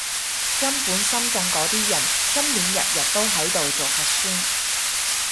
根本深圳嗰啲人，今年日日都喺度做核酸